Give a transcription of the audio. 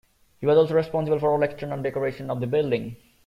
He was also responsible for all the external decorations of the building.